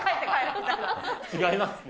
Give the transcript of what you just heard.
違いますね。